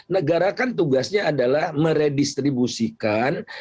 negara kan tugasnya adalah meredistribusikan